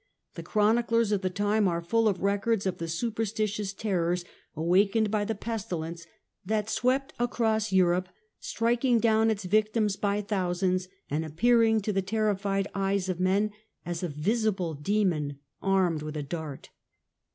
The chroniclers of the time are full of records of the superstitious terrors awakened by the pestilence that swept across Europe, striking down its victims by thousands, and appearing to the terrified eyes of men as a visible demon armed with a dart.